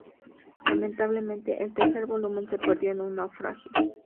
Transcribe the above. Lamentablemente, el tercer volumen se perdió en un naufragio.